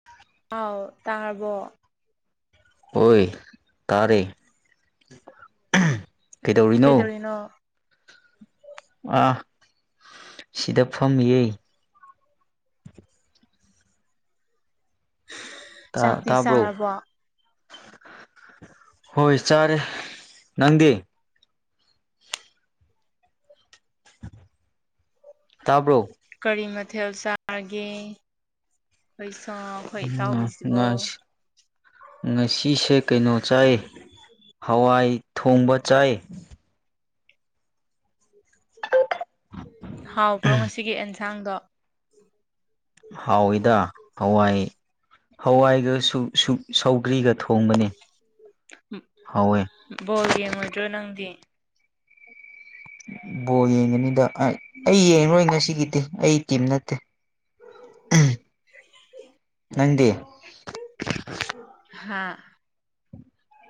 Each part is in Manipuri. [unintelligible] ꯑꯥꯎ ꯇꯥꯔꯕꯣ ꯍꯣꯏ ꯇꯥꯔꯦ ꯀꯩꯗꯧꯔꯤꯅꯣ ꯑ ꯁꯤꯗ ꯐꯝꯌꯦ ꯇ ꯆꯥꯛꯇꯤ ꯇꯥꯕ꯭ꯔꯣ ꯆꯥꯔꯕꯣ ꯍꯣꯏ ꯆꯥꯔꯦ ꯅꯪꯗꯤ ꯇꯕ꯭ꯔꯣ ꯀꯔꯤ ꯃꯊꯦꯜ ꯆꯥꯔꯒꯦ ꯑꯩꯈꯣꯏ ꯁ ꯑꯩꯈꯣꯏ ꯏꯇꯥꯎꯕꯤꯁꯤꯕꯣ ꯉꯁꯤꯁꯦ ꯀꯩꯅꯣ ꯆꯥꯏ ꯍꯋꯥꯏ ꯊꯣꯡꯕ ꯆꯥꯏ ꯍꯥꯎꯕ꯭ꯔꯣ ꯉꯁꯤꯒꯤ ꯑꯦꯟꯖꯥꯡꯗꯣ ꯍꯥꯎꯋꯏꯗ ꯍꯋꯥꯏ ꯍꯋꯥꯏꯒ ꯁꯨꯞ ꯁꯨꯞ ꯍꯥꯎꯋꯦ ꯕꯣꯜ ꯌꯦꯡꯉꯣꯏꯗ꯭ꯔꯣ ꯅꯪꯗꯤ ꯕꯣꯜ ꯌꯦꯡꯒꯅꯤꯗ ꯑꯩ ꯌꯦꯡꯉꯔꯣꯏ ꯉꯁꯤꯒꯤꯗꯤ ꯑꯩ ꯇꯤꯝ ꯅꯠꯇꯦ ꯅꯪꯗꯤ ꯍꯥꯥ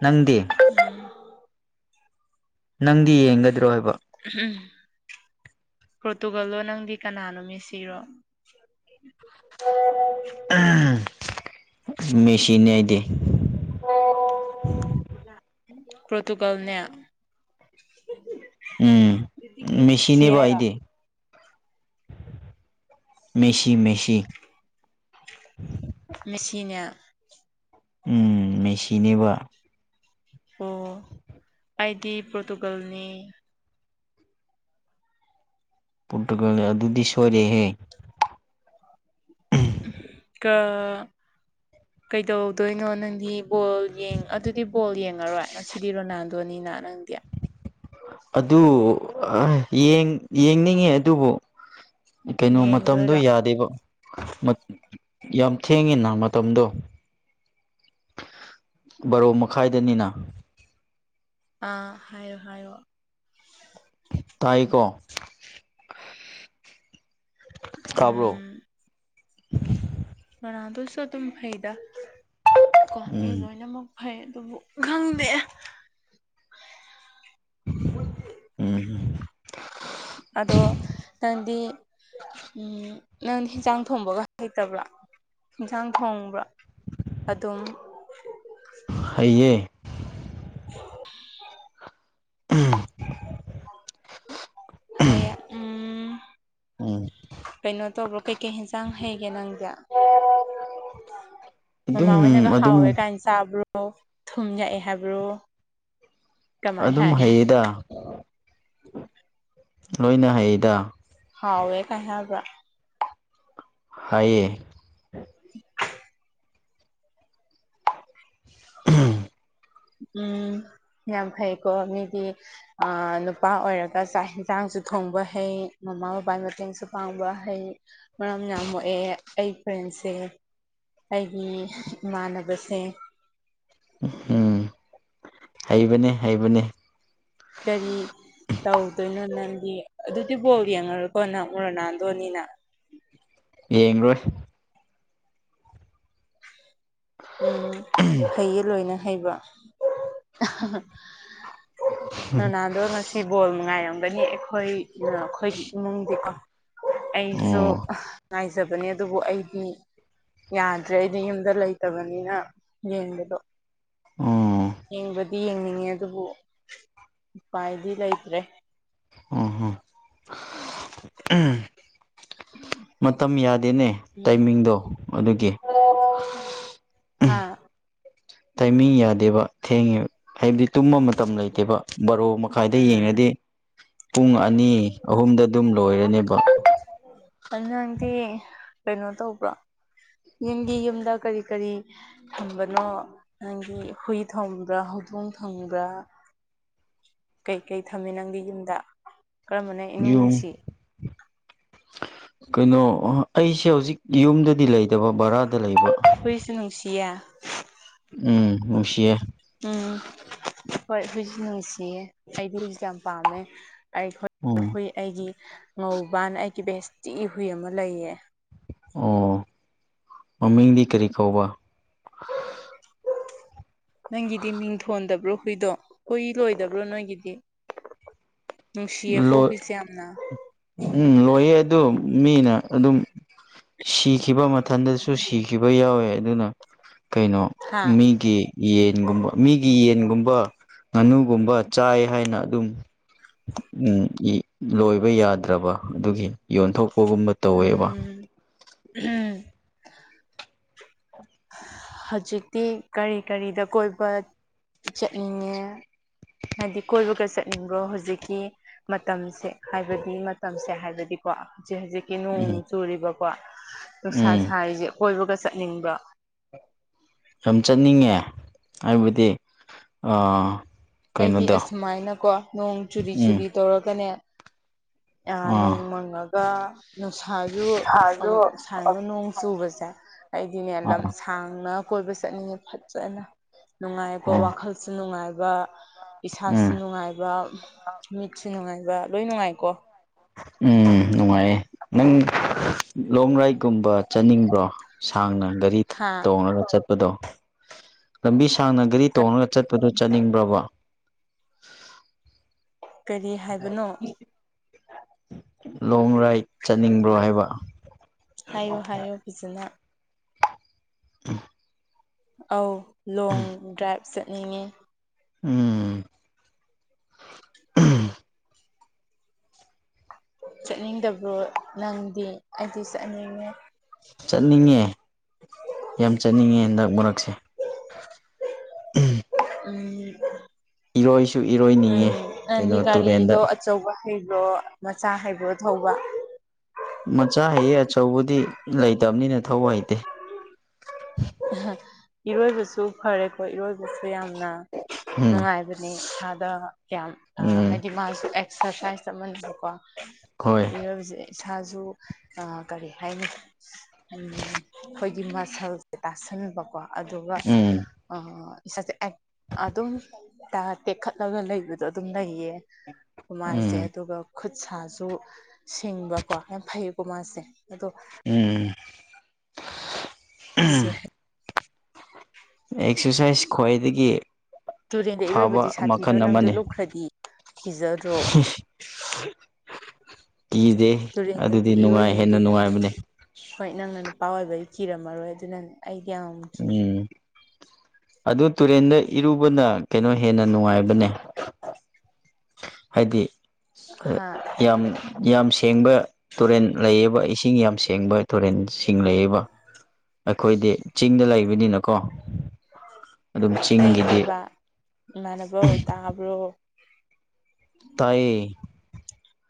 ꯅꯪꯗꯤ ꯎꯝ ꯅꯪꯗꯤ ꯌꯦꯡꯒꯗ꯭ꯔꯣ ꯍꯥꯏꯕ ꯎꯝ ꯄ꯭ꯔꯣꯔꯇꯨꯒꯜꯗꯣ ꯅꯪꯗꯤ ꯀꯅꯥꯅꯣ ꯃꯤ ꯁꯤꯔꯣ ꯃꯦꯁꯤꯅꯦ ꯑꯩꯗꯤ ꯄꯣꯔꯇꯨꯒꯜꯅꯦ ꯎꯝ ꯃꯦꯁꯤ ꯃꯦꯁꯤꯅꯤꯕ ꯍꯥꯏꯔꯣ ꯑꯩꯗꯤ ꯃꯦꯁꯤ ꯃꯦꯁꯤ ꯃꯦꯁꯤꯅꯦ ꯎꯝ ꯃꯦꯁꯤꯅꯦꯕ ꯑꯣ ꯑꯩꯗꯤ ꯄꯣꯔꯇꯨꯒꯜꯅꯤ ꯄꯨꯠꯒ ꯑꯗꯨꯗꯤ ꯁꯣꯏꯣꯔꯦꯍꯦ ꯀꯥ [unintelligible] ꯀꯩꯗꯧꯗꯣꯏꯅꯣ ꯅꯪꯗꯤ ꯕꯣꯜ ꯑꯗꯨꯗꯤ ꯕꯣꯜ ꯌꯦꯡꯉꯔꯣꯏ ꯉꯁꯤꯗꯤ ꯔꯣꯅꯥꯜꯗꯣꯅꯤꯅ ꯅꯪꯗꯤ ꯑꯗꯨ ꯌꯦꯡꯅꯤꯡꯉꯦ ꯑꯗꯨꯕꯨ ꯀꯩꯅꯣ ꯃꯇꯝꯗꯣ ꯌꯦꯡꯗꯣꯏꯔꯣ ꯌꯥꯗꯦꯕ ꯌꯥꯝ ꯊꯦꯡꯉꯤꯅ ꯃꯇꯝꯗꯣ ꯕꯥꯔꯣ ꯃꯈꯥꯏꯗꯅꯤꯅ ꯑꯥ ꯍꯥꯏꯌꯣ ꯍꯥꯏꯌꯣ ꯇꯥꯏꯀꯣ ꯀꯥꯕ꯭ꯔꯣ ꯅꯥꯥꯗꯨꯁꯨ ꯑꯗꯨꯝ ꯍꯩꯗ ꯀꯣ ꯃꯤ ꯎꯝ ꯂꯣꯏꯅꯃꯛ ꯐꯩ ꯑꯗꯨꯕꯨ ꯈꯪꯗꯦ ꯎꯝ ꯑꯗꯣ ꯅꯪꯗꯤ ꯎꯝ ꯅꯪ ꯌꯦꯟꯁꯥꯡ ꯊꯣꯡꯕꯒ ꯍꯩꯇꯕ꯭ꯔ ꯌꯦꯟꯁꯥꯡ ꯊꯣꯡꯕ꯭ꯔ ꯑꯗꯨꯝ ꯍꯥꯏꯌꯦ [unintelligible] ꯎꯝ ꯍꯌꯥ ꯎꯝ ꯀꯩꯅꯣ ꯇꯧꯕ꯭ꯔꯣ ꯀꯩꯀꯩ ꯌꯦꯟꯁꯥꯡ ꯍꯩꯒꯦ ꯅꯪꯗꯤ ꯑꯗꯨꯝ ꯃꯃꯥ ꯍꯣꯏꯅꯒ ꯑꯗꯨꯝ ꯍꯥꯎꯋꯦ ꯀꯥꯏꯅ ꯆꯥꯕ꯭ꯔꯣ ꯊꯨꯝ ꯌꯥꯛꯑꯦ ꯍꯥꯏꯕ꯭ꯔꯣ ꯀꯃꯥꯏ ꯑꯗꯨꯝ ꯍꯥꯏ ꯍꯩꯌꯦꯗ ꯂꯣꯏꯅ ꯍꯩꯌꯦꯗ ꯍꯥꯎꯋꯦ ꯀꯥꯏ ꯍꯥꯏꯕ ꯍꯥꯏꯌꯦ [unintelligible] ꯎꯝ ꯎꯝ ꯌꯥꯝ ꯐꯩꯀꯣ ꯃꯤꯗꯤ ꯅꯨꯄꯥ ꯑꯣꯏꯔꯒ ꯆꯥꯛ ꯌꯦꯟꯁꯥꯡꯁꯨ ꯊꯣꯡꯕ ꯍꯩ ꯃꯃꯥ ꯕꯕꯥꯒꯤ ꯃꯇꯦꯡꯁꯨ ꯐꯥꯡꯕ ꯍꯩ ꯃꯔꯝ ꯌꯥꯝ ꯃꯣꯛꯑꯦ ꯑꯩ ꯐ꯭ꯔꯦꯟꯁꯦ ꯑꯩꯒꯤ ꯏꯃꯥꯟꯅꯕꯁꯦ ꯎꯝ ꯍꯩꯕꯅꯤ ꯍꯩꯕꯅꯤ ꯀꯒꯥꯔꯤ ꯇꯧꯗꯣꯏꯅꯣ ꯅꯪꯗꯤ ꯑꯗꯨꯗꯤꯕꯥꯎ ꯌꯦꯡꯉꯔꯀꯣ ꯅꯪ ꯔꯣꯅꯥꯜꯗꯣꯅꯤꯅ ꯌꯦꯡꯣꯏ ꯎꯝ ꯍꯩꯌꯦ ꯂꯣꯏꯅ ꯍꯩꯕ ꯔꯣꯅꯥꯜꯗꯣ ꯉꯁꯤ ꯕꯣꯜ ꯉꯥꯏꯔꯝꯒꯅꯤ ꯑꯩꯈꯣꯏ ꯑꯩꯈꯣꯏꯒꯤ ꯏꯃꯨꯡꯗꯤꯀꯣ ꯑꯩꯁꯨ ꯑꯣ [unintelligible] ꯐꯖꯕꯅꯦ ꯑꯗꯨꯕꯨ ꯑꯩꯗꯤ ꯌꯥꯗ꯭ꯔꯦ ꯑꯩꯗꯤ ꯌꯨꯝꯗ ꯂꯩꯇꯕꯅꯤꯅ ꯌꯦꯡꯕꯗꯣ ꯎꯝ ꯌꯦꯡꯕꯗꯤ ꯌꯦꯡꯅꯤꯡꯉꯦ ꯑꯗꯨꯕꯨ ꯎꯄꯥꯏꯗꯤ ꯂꯩꯇ꯭ꯔꯦ ꯑꯣ ꯍꯣ ꯎꯝ ꯃꯇꯝ ꯌꯥꯗꯦꯅꯦ ꯇꯥꯏꯃꯤꯡꯗꯣ ꯑꯗꯨꯒꯤ ꯍꯥꯥ ꯇꯥꯏꯃꯤꯡ ꯌꯥꯗꯦꯕ ꯊꯦꯡꯉꯦ ꯍꯥꯏꯕꯗꯤ ꯇꯨꯝꯕ ꯃꯇꯝ ꯂꯩꯇꯦꯕ ꯕꯥꯔꯣ ꯃꯈꯥꯏꯗ ꯎꯝ ꯌꯦꯡꯉꯗꯤ ꯄꯨꯡ ꯑꯅꯤ ꯑꯍꯨꯝꯗ ꯑꯗꯨꯝ ꯂꯣꯏꯔꯅꯦꯕ [unintelligible] ꯅꯪꯗꯤ ꯀꯩꯅꯣ ꯇꯧꯕ꯭ꯔꯣ ꯅꯪꯒꯤ ꯌꯨꯝꯗ ꯀꯔꯤ ꯀꯔꯤ ꯊꯝꯕꯅꯣ ꯑꯪꯒꯤ ꯍꯨꯏ ꯊꯣꯡꯕ꯭ꯔꯥ ꯍꯧꯗꯣꯡ ꯊꯣꯡꯕ꯭ꯔꯥ ꯀꯩꯀꯩ ꯊꯝꯃꯤ ꯅꯪꯗꯤ ꯌꯨꯝꯗ ꯀꯔꯝꯕꯅ ꯏꯅꯨꯡ ꯌꯨꯝ ꯅꯨꯡꯁꯤ ꯀꯩꯅꯣ ꯑꯩꯁꯦ ꯍꯧꯖꯤꯛ ꯌꯨꯝꯗꯗꯤ ꯂꯩꯗꯕ ꯕꯔꯥꯗ ꯂꯩꯕ ꯍꯨꯣꯏꯁꯨ ꯅꯨꯡꯁꯤꯌꯦ ꯎꯝ ꯅꯨꯡꯁꯤꯌꯦ ꯎꯝ ꯍꯣꯏ ꯍꯨꯢꯁꯨ ꯅꯨꯡꯁꯤꯌꯦ ꯑꯩꯗꯤ ꯍꯨꯢꯁꯨ ꯌꯥꯝ ꯄꯥꯝꯃꯦ ꯑꯩ ꯍꯣꯏ ꯎꯝ ꯍꯨꯏ ꯑꯩꯒꯤ ꯉꯧꯕꯅ ꯑꯩꯒꯤ ꯕꯦꯁꯇꯤꯒꯤ ꯍꯨꯏ ꯑꯃ ꯂꯩꯌꯦ ꯑꯣ ꯃꯃꯤꯡꯗꯤ ꯀꯔꯤ ꯀꯧꯕ ꯅꯪꯒꯤꯗꯤ ꯃꯤꯡꯊꯣꯟꯗꯕ꯭ꯔꯣ ꯍꯨꯏꯗꯣ ꯍꯨꯏ ꯂꯣꯏꯗꯕ꯭ꯔꯣ ꯅꯣꯏꯒꯤꯗꯤ ꯅꯨꯡꯁꯤꯌꯦꯀꯣ ꯂꯣꯏ ꯍꯨꯏꯁꯦ ꯌꯥꯝꯅ ꯎꯝ ꯂꯣꯏꯌꯦ ꯑꯗꯨ ꯃꯤꯅ ꯑꯗꯨꯝ ꯁꯤꯈꯤꯕ ꯃꯊꯟꯗꯁꯨ ꯁꯤꯈꯤꯕ ꯌꯥꯎꯋꯦ ꯑꯗꯨꯅ ꯀꯩꯅꯣ ꯍꯥ ꯃꯤꯒꯤ ꯌꯦꯟꯒꯨꯝꯕ ꯃꯤꯒꯤ ꯌꯦꯟꯒꯨꯝꯕ ꯉꯥꯅꯨꯒꯨꯝꯕ ꯆꯥꯏ ꯍꯥꯏꯅ ꯑꯗꯨꯝ ꯎꯝ ꯂꯣꯏꯕ ꯌꯥꯗ꯭ꯔꯕ ꯑꯗꯨꯒꯤ ꯌꯣꯟꯊꯣꯛꯄꯒꯨꯝꯕ ꯇꯧꯋꯦꯕ ꯎꯝ ꯍꯧꯖꯤꯛꯇꯤ ꯀꯔꯤ ꯀꯔꯤꯗ ꯀꯣꯏꯕ ꯆꯠꯅꯤꯡꯉꯦ ꯍꯥꯏꯗꯤ ꯀꯣꯏꯕꯒ ꯆꯠꯅꯤꯡꯕ꯭ꯔꯣ ꯍꯧꯖꯤꯛꯀꯤ ꯃꯇꯝꯁꯦ ꯍꯥꯏꯕꯗꯤ ꯃꯇꯝꯁꯦ ꯍꯥꯏꯕꯗꯤꯀꯣ ꯍꯧꯖꯤꯛ ꯍꯧꯖꯤꯛ ꯅꯣꯡ ꯎꯝ ꯆꯨꯔꯤꯕꯀꯣ ꯅꯨꯡꯁꯥ ꯎꯝ ꯁꯥꯔꯤꯁꯦ ꯀꯣꯏꯕꯒ ꯆꯠꯅꯤꯡꯕ꯭ꯔꯥ ꯌꯥꯝ ꯆꯠꯅꯤꯡꯉꯦ ꯍꯥꯏꯕꯗꯤ ꯑꯩꯗꯤ ꯀꯩꯅꯣꯗꯣ ꯑꯁꯨꯃꯥꯏꯅꯀꯣ ꯅꯣꯡ ꯆꯨꯔꯤ ꯎꯝ ꯆꯨꯔꯤ ꯇꯧꯔꯒꯅꯦ ꯑꯥ ꯅꯣꯡꯃꯪꯉꯒ ꯅꯨꯡꯁꯥꯖ ꯁꯥꯏꯅ ꯅꯣꯡ ꯆꯨꯕꯁꯦ ꯑꯩꯗꯤꯅꯦ ꯂꯝ ꯑꯥ ꯁꯥꯡꯅ ꯀꯣꯏꯕ ꯆꯠꯅꯤꯡꯉꯦ ꯐꯖꯅ ꯅꯨꯡꯉꯥꯏꯀꯣ ꯑꯥ ꯋꯥꯈꯜ ꯅꯨꯡꯉꯥꯏꯕ ꯏꯁꯥꯁꯨ ꯎꯝ ꯅꯨꯡꯉꯥꯏꯕ ꯃꯤꯠꯁꯨ ꯅꯨꯡꯉꯥꯏꯕ ꯂꯣꯏ ꯅꯨꯡꯉꯥꯏꯀꯣ ꯎꯝ ꯅꯨꯡꯉꯥꯏꯌꯦ ꯅꯪ ꯂꯣꯡ ꯔꯥꯏꯠꯀꯨꯝꯕ ꯆꯠꯅꯤꯡꯕ꯭ꯔꯣ ꯁꯥꯡꯅ ꯒꯥꯔꯤ ꯍꯥꯥ ꯇꯣꯡꯉꯒ ꯆꯠꯄꯗꯣ ꯂꯝꯕꯤ ꯁꯥꯡꯅ ꯒꯥꯔꯤ ꯇꯣꯡꯉꯒ ꯆꯠꯄꯗꯣ ꯆꯠꯅꯤꯡꯕ꯭ꯔꯕ ꯀꯔꯤ ꯍꯥꯏꯕꯅꯣ ꯂꯣꯡ ꯔꯥꯏꯠ ꯆꯠꯅꯤꯡꯕ꯭ꯔꯣ ꯍꯥꯏꯕ ꯍꯥꯏꯌꯣ ꯍꯥꯏꯌꯣ ꯐꯖꯅ ꯑꯧ ꯂꯣꯡ ꯗ꯭ꯔꯥꯏꯕ ꯆꯠꯅꯤꯡꯉꯦ ꯎꯝ ꯆꯠꯅꯤꯡꯗꯕ꯭ꯔꯣ ꯅꯪꯗꯤ ꯑꯩꯗꯤ ꯆꯠꯅꯤꯡꯉꯦ ꯆꯠꯅꯤꯡꯉꯦ ꯌꯥꯝ ꯆꯠꯅꯤꯡꯉꯦ ꯍꯟꯗꯛ ꯃꯔꯛꯁꯦ ꯎꯝ ꯏꯔꯣꯏꯁꯨ ꯏꯔꯣꯏꯅꯤꯡꯉꯦ ꯎꯝ ꯅꯪꯗꯤ ꯀꯩꯅꯣ ꯇꯨꯔꯦꯟꯗ ꯒꯥꯔꯤꯗꯣ ꯑꯆꯧꯕ ꯍꯩꯕ꯭ꯔꯣ ꯃꯆꯥ ꯍꯩꯕ꯭ꯔꯣ ꯊꯧꯕ ꯃꯆꯥ ꯍꯩꯌꯦ ꯑꯆꯧꯕꯗꯤ ꯂꯩꯇꯕꯅꯤꯅ ꯊꯧꯕ ꯍꯩꯇꯦ ꯏꯔꯣꯏꯕꯁꯨ ꯐꯔꯦꯀꯣ ꯏꯔꯣꯏꯕꯁꯨ ꯌꯥꯝꯅ ꯎꯝ ꯅꯨꯡꯉꯥꯏꯕꯅꯦ ꯏꯁꯥꯗ ꯌꯥꯝ ꯎꯝ ꯍꯥꯏꯗꯤ ꯃꯥꯁꯨ ꯑꯦꯛꯁꯔꯁꯥꯏꯁ ꯆꯞ ꯑꯃꯅꯤ ꯀꯣ ꯍꯣꯏ ꯏꯔꯣꯏꯕꯁꯦ ꯏꯁꯥꯁꯨ ꯀꯔꯤ ꯍꯥꯏꯅꯤ ꯑꯩꯈꯣꯏꯒꯤ ꯃꯁꯜ ꯇꯥꯁꯟꯕꯀꯣ ꯑꯗꯨꯒ ꯎꯝ ꯏꯁꯥꯁꯦ ꯑꯗꯨꯝ ꯇ ꯇꯦꯛꯈꯠꯂꯒ ꯂꯩꯕꯗꯣ ꯑꯗꯨꯝ ꯂꯩꯌꯦ ꯑꯗꯨ ꯃꯥꯁꯦ ꯎꯝ ꯑꯗꯨꯒ ꯈꯨꯠ ꯁꯥꯁꯨ ꯁꯤꯡꯕꯀꯣ ꯌꯥꯝ ꯐꯩꯌꯦꯀꯣ ꯃꯥꯁꯦ ꯑꯗꯣ ꯎꯝ ꯁꯦ ꯍꯥꯏ [inaudible] ꯑꯦꯛꯁꯔꯁꯥꯏꯁ ꯈ꯭ꯋꯥꯏꯗꯒꯤ ꯇꯨꯔꯦꯟꯗ ꯏꯔꯣꯏꯕꯗꯤ ꯐꯕ ꯁꯥꯊꯤꯗ꯭ꯔꯣ ꯃꯈꯜ ꯅꯪꯁꯨ ꯑꯃꯅꯤ ꯂꯨꯞꯈ꯭ꯔꯗꯤ ꯀꯤꯖꯗ꯭ꯔꯣ ꯀꯤꯗꯦ ꯑꯗꯨꯗꯤ ꯇꯨꯔꯦꯟꯗꯗꯤ ꯅꯨꯡꯉꯥꯏ ꯍꯦꯟꯅ ꯏꯔꯣꯏꯅꯤꯡꯗꯦꯗ ꯅꯨꯡꯉꯥꯏꯕꯅꯦ ꯍꯣꯏ ꯅꯪꯅ ꯅꯨꯄꯥ ꯑꯣꯏꯕꯗꯤ ꯀꯤꯔꯝꯃꯔꯣꯏ ꯑꯗꯨꯅꯅꯦ ꯑꯩꯗꯤ ꯌꯥꯝ ꯀꯤ ꯎꯝ ꯑꯗꯨ ꯇꯨꯔꯦꯟꯗ ꯏꯔꯨꯕꯅ ꯀꯩꯅꯣ ꯍꯦꯟꯅ ꯅꯨꯡꯉꯥꯏꯕꯅꯦ ꯍꯥꯏꯗꯤ ꯍꯥ ꯌꯥꯝ ꯌꯥꯝ ꯁꯦꯡꯕ ꯇꯨꯔꯦꯜ ꯂꯩꯌꯦꯕ ꯏꯁꯤꯡ ꯌꯥꯝ ꯁꯦꯡꯕ ꯇꯨꯔꯦꯟꯁꯤꯡ ꯂꯩꯌꯦꯕ ꯑꯩꯈꯣꯏꯒꯤ ꯆꯤꯡꯗ ꯂꯩꯕꯅꯤꯅꯀꯣ ꯑꯗꯨꯝ ꯀꯩ ꯆꯤꯡꯒꯤꯗꯤ ꯍꯥꯏꯕ ꯏꯃꯥꯟꯅꯕꯧ ꯇꯥꯕ꯭ꯔꯣ ꯇꯥꯏꯌꯦ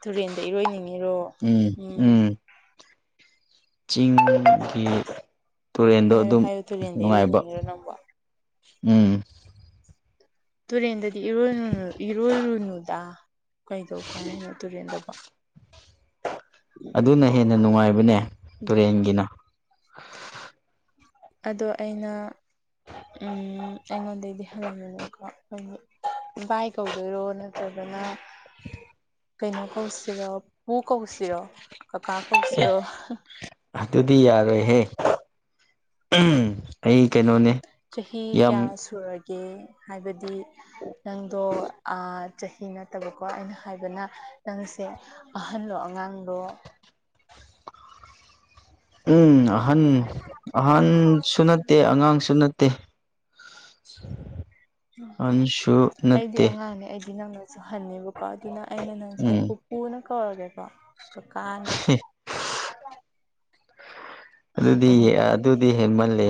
ꯇꯨꯔꯦꯟꯗ ꯏꯔꯣꯏꯅꯤꯡꯉꯤꯕꯣ ꯎꯝ ꯆꯤꯡꯒꯤ ꯇꯨꯔꯦꯟꯗꯣ ꯍꯥꯏꯌꯨ ꯑꯗꯨꯝ ꯍꯥꯏꯌꯨ ꯇꯨꯔꯦꯟꯗ ꯅꯨꯡꯉꯥꯏꯕ ꯏꯔꯣꯏꯅꯤꯡꯉꯤꯔꯣ ꯅꯪꯕꯣ ꯎꯝ ꯇꯨꯔꯦꯟꯗꯗꯤ ꯏꯔꯣꯏꯨ ꯏꯔꯣꯏꯔꯨꯅꯨꯗ ꯀꯩꯗꯧꯒꯦ ꯍꯥꯏꯅ ꯇꯨꯔꯦꯟꯗꯕꯣ ꯑꯗꯨꯅ ꯍꯦꯟꯅ ꯅꯨꯡꯉꯥꯏꯕꯅꯦ ꯇꯨꯔꯦꯟꯒꯤꯅ ꯑꯗꯣ ꯑꯩꯅ ꯎꯝ ꯑꯩꯉꯣꯟꯗꯗꯤ ꯍꯜꯂꯝꯒꯅꯤꯀꯣ ꯑꯈꯣꯏꯒꯤ ꯏꯕꯥꯏ ꯀꯧꯗꯣꯏꯔꯣ ꯅꯠꯇ꯭ꯔꯒꯅ ꯀꯩꯅꯣ ꯀꯧꯁꯤꯔꯣ ꯄꯨ ꯀꯧꯁꯤꯔꯣ ꯀꯀꯥ ꯀꯧꯁꯤꯔꯣ ꯑꯗꯨꯗꯤ ꯌꯥꯔꯣꯏꯍꯦ ꯑꯩ ꯀꯩꯅꯣꯅꯦ ꯆꯍꯤ ꯌꯥꯝ ꯀꯌꯥ ꯁꯨꯔꯒꯦ ꯍꯥꯏꯕꯗꯤ ꯅꯪꯗꯣ ꯑ ꯆꯍꯤ ꯅꯠꯇꯕꯀꯣ ꯑꯩꯅ ꯍꯥꯏꯕꯅ ꯅꯪꯁꯦ ꯑꯍꯜꯂꯣ ꯑꯉꯥꯡꯂꯣ ꯎꯝ ꯑꯍꯟ ꯑꯍꯟꯁꯨ ꯅꯠꯇꯦ ꯑꯉꯥꯡꯁꯨ ꯅꯠꯇꯦ [unintelligible] ꯎ ꯑꯍꯟꯁꯨ ꯑꯩꯗꯤ ꯅꯠꯇꯦ ꯑꯉꯥꯡꯅꯦ ꯑꯩꯗꯤ ꯅꯪꯅ ꯁꯨꯍꯟꯅꯕꯀꯣ ꯑꯗꯨꯅ ꯑꯩꯅ ꯅꯪꯁꯦ ꯎꯝ ꯄꯨꯄꯨꯅ ꯀꯧꯔꯒꯦꯀꯣ ꯀꯀꯥꯅ ꯑꯗꯨꯗꯤ ꯑ ꯑꯗꯨꯗꯤ ꯍꯦꯟꯃꯜꯂꯦ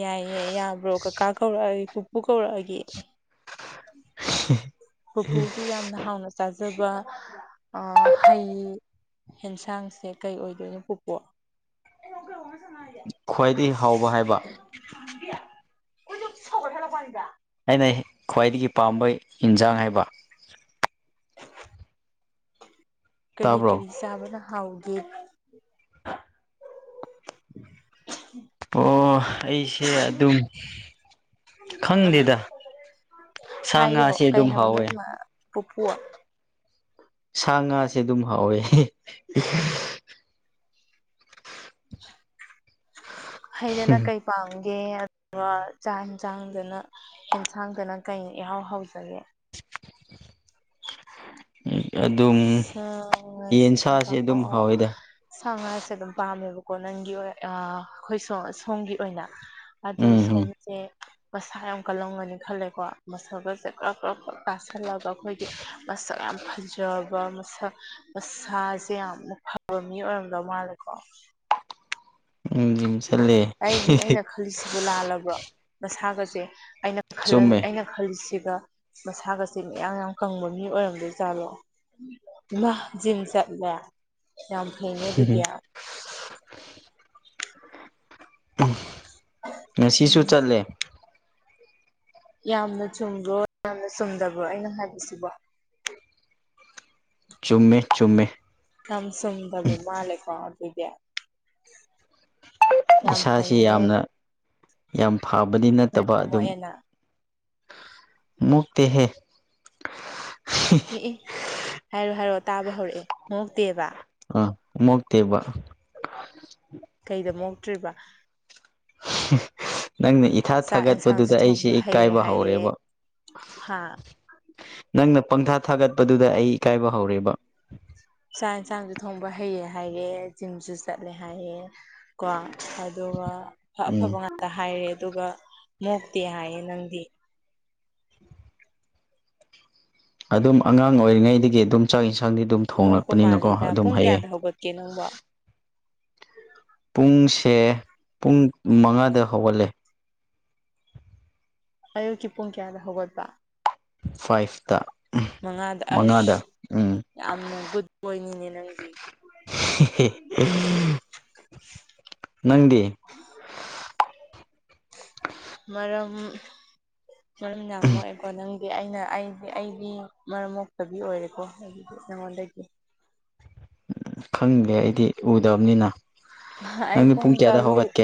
ꯌꯥꯏꯌꯦ ꯌꯥꯕ꯭ꯔꯣ ꯀꯀꯥ ꯀꯧꯔꯛꯑꯒꯦ ꯄꯨꯄꯨ ꯀꯧꯔꯛꯑꯒꯦ ꯄꯨꯄꯨꯒꯤ ꯌꯥꯝꯅ ꯍꯥꯎꯅ ꯆꯥꯖꯕ ꯍꯩ ꯍꯦꯟꯁꯥꯡꯁꯦ ꯀꯩ ꯑꯣꯏꯗꯣꯏꯅꯣ ꯄꯨꯄꯨ ꯈ꯭ꯋꯥꯏꯗꯒꯤ ꯍꯥꯎꯕ ꯍꯥꯏꯕ ꯀꯣꯏꯅ ꯁꯧꯍ ꯂꯄꯅꯤꯗ ꯑꯩꯅ ꯈ꯭ꯋꯥꯏꯗꯒꯤ ꯄꯥꯝꯕ ꯌꯦꯟꯁꯥꯡ ꯍꯥꯏꯕ ꯀꯔꯤ ꯇꯥꯕ꯭ꯔꯣ ꯀꯔꯤ ꯆꯥꯕꯅ ꯍꯥꯎꯒꯦ [unintelligible] ꯎꯍꯨ ꯑꯣ ꯑꯩꯁꯦ ꯑꯗꯨꯝ ꯑ ꯈꯪꯗꯦꯗ ꯁꯥ ꯍꯥꯏꯌꯣ ꯉꯥꯁꯦ ꯀꯩ ꯑꯗꯨꯝ ꯍꯥꯏꯕꯅꯣ ꯍꯥꯎꯋꯦ ꯏꯃꯥ ꯄꯨꯄꯨ ꯁꯥ ꯉꯥꯁꯦ ꯑꯗꯨꯝ ꯍꯥꯎꯋꯦ ꯍꯩꯗꯅꯥ ꯀꯩ ꯄꯥꯝꯒꯦ ꯑꯗꯨꯒ ꯆꯥꯛ ꯏꯟꯖꯥꯡꯗꯅ ꯏꯟꯁꯥꯡꯗꯅ ꯀꯩ ꯏꯍꯥꯎ ꯍꯥꯎꯖꯒꯦ ꯑꯗꯨꯝ ꯌꯦꯟ ꯑꯁꯕ ꯁꯥꯁꯦ ꯑꯗꯨꯝ ꯑꯣ ꯍꯥꯎꯋꯦꯗ ꯁꯥ ꯉꯥꯁꯦ ꯑꯗꯨꯝ ꯄꯥꯝꯃꯦꯕꯀꯣ ꯅꯪꯒꯤ ꯑꯣꯏ ꯑꯩꯈꯣꯏ ꯁ ꯁꯣꯝꯒꯤ ꯑꯣꯏꯅ ꯑꯗꯨ ꯎꯝ ꯁꯣꯝꯖꯦ ꯃꯁꯥ ꯌꯥꯝ ꯀꯜꯂꯝꯒꯅꯤ ꯈꯜꯂꯦꯀꯣ ꯃꯁꯛꯒꯁꯦ ꯀ꯭ꯔꯞ ꯀ꯭ꯔꯞ ꯀ꯭ꯔꯞ ꯇꯥꯁꯜꯂꯒ ꯑꯩꯈꯣꯏꯒꯤ ꯃꯁꯇꯛ ꯌꯥꯝ ꯐꯖꯩ ꯃꯁꯛ ꯃꯁꯥꯖꯦ ꯌꯥꯝꯅ ꯐꯕ ꯃꯤ ꯑꯣꯏꯔꯝꯗꯧ ꯃꯥꯜꯂꯦꯀꯣ ꯎꯝ ꯎꯝ ꯖꯤꯝ ꯆꯠꯂꯦ ꯑꯩꯒꯤ ꯑꯩꯅ ꯈꯜꯂꯤꯁꯦ ꯁꯤꯕꯨ ꯂꯥꯜꯂꯕ꯭ꯔꯣ ꯃꯁꯥꯒꯁꯦ ꯑꯩꯅ ꯈꯜ ꯆꯨꯝꯃꯦ ꯑꯩꯅ ꯈꯜꯁꯤꯒ ꯃꯁꯥꯒꯁꯤ ꯃꯌꯥꯝ ꯌꯥꯝ ꯀꯪꯕ ꯃꯤ ꯑꯣꯏꯔꯝꯗꯣꯏ ꯖꯥꯜꯂꯣ ꯏꯃ ꯖꯤꯝ ꯆꯠꯂꯦ ꯌꯥꯝ ꯐꯩꯅꯦ ꯑꯗꯨꯗꯤ ꯉꯁꯤꯁꯨ ꯆꯠꯂꯦ ꯌꯥꯝꯅ ꯆꯨꯝꯕ꯭ꯔꯣ ꯌꯥꯝꯅ ꯆꯨꯝꯗꯕ꯭ꯔꯣ ꯑꯩꯅ ꯍꯥꯏꯁꯤꯕꯣ ꯆꯨꯝꯃꯦ ꯆꯨꯝꯃꯦ ꯀꯝ ꯁꯨꯝꯗꯕ ꯃꯥꯜꯂꯦꯀꯣ ꯑꯗꯨꯗꯤ꯫ ꯌꯥꯝ ꯏꯁꯥꯁꯤ ꯐꯩꯅꯦ ꯌꯥꯝꯅ ꯌꯥꯝ ꯐꯕꯗꯤ ꯅꯠꯇꯕ ꯃꯌꯥꯝ ꯑꯗꯨꯝ ꯃꯣꯛꯑꯦꯅ ꯃꯛꯇꯤ ꯍꯦ ꯌꯦꯑ ꯍꯥꯏꯔꯣ ꯍꯥꯏꯔꯑꯣ ꯇꯥꯕ ꯍꯧꯔꯛꯑꯦ ꯃꫭꯛꯇꯦꯕ ꯑ ꯃꯣꯛꯇꯦꯕ ꯀꯩꯗ ꯃꯣꯛꯇ꯭ꯔꯤꯕꯥ [inaudible] ꯅꯪꯅ ꯏꯊꯥ ꯆꯥꯛ ꯑꯦꯟꯁꯥꯡꯁꯨ ꯊꯥꯒꯠꯄꯗꯨꯗ ꯑꯩꯁꯦ ꯊꯣꯡꯕ ꯍꯩꯔꯦ ꯏꯀꯥꯏꯕ ꯍꯥꯏꯔꯦ ꯍꯧꯔꯦꯕꯥ ꯍꯥ ꯅꯪꯅ ꯄꯪꯊꯥ ꯊꯥꯒꯠꯄꯗꯨꯗ ꯑꯩ ꯏꯀꯥꯏꯕ ꯍꯧꯔꯦꯕ ꯆꯥꯛ ꯏꯟꯁꯥꯡꯁꯨ ꯊꯣꯡꯕ ꯍꯩꯌꯦ ꯖꯤꯝꯁꯨ ꯆꯠꯂꯦ ꯍꯥꯏꯑꯦ ꯀꯣ ꯑꯗꯨꯒ ꯑ ꯎꯝ ꯑꯐꯕ ꯉꯥꯛꯇ ꯍꯥꯏꯔꯦ ꯑꯗꯨꯒ ꯃꯣꯛꯇꯦ ꯍꯥꯏꯌꯦ ꯅꯪꯗꯤ ꯑꯗꯨꯝ ꯑꯉꯥꯡ ꯑꯣꯏꯔꯤꯉꯩꯗꯒꯤ ꯑꯗꯨꯝ ꯆꯥꯛ ꯌꯦꯟꯁꯥꯡꯗꯤ ꯑꯗꯨꯝ ꯃꯣꯛꯄꯥ ꯊꯣꯡꯂꯛꯄꯅꯤꯅꯀꯣ ꯃꯥꯜꯂꯤꯗ ꯑꯗꯨꯝ ꯄꯨꯡ ꯍꯩꯌꯦ ꯀꯌꯥꯗ ꯍꯧꯒꯠꯀꯦ ꯅꯪꯕꯣ꯫ ꯄꯨꯡꯁꯦ ꯄꯨꯡ ꯃꯉꯥꯗ ꯍꯧꯒꯠꯂꯦ ꯑꯌꯨꯛꯀꯤ ꯄꯨꯡ ꯀꯌꯥꯗ ꯍꯧꯒꯠꯄ ꯐꯥꯏꯐꯇꯥ ꯃꯉꯥꯗ ꯑꯁ ꯌꯥꯝꯅ ꯒꯨꯗ ꯕꯣꯏꯅꯤꯅꯦ ꯅꯪꯗꯤ꯫ [unintelligible] ꯅꯪꯗꯤ ꯃꯔꯝ ꯃꯔꯝ ꯌꯥꯝ ꯃꯣꯛꯑꯦꯀꯣ ꯅꯪ ꯑꯩꯅ ꯑꯩꯗꯤ ꯑꯩꯒꯤ ꯃꯔꯝ ꯃꯣꯛꯇꯕꯤ ꯑꯣꯏꯔꯦꯀꯣ ꯑꯩꯗꯤ ꯅꯉꯣꯟꯗꯒꯤ ꯎꯝ ꯈꯪꯗꯦ ꯑꯩꯗꯤ ꯎꯗꯕꯅꯤꯅ ꯑꯩ ꯅꯪꯗꯤ ꯄꯨꯡ ꯀꯌꯥꯗ ꯇꯔꯨꯛ ꯍꯧꯒꯠꯀꯦ